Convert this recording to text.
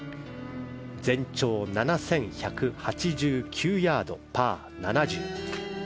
全長７１８９ヤード、パー７０。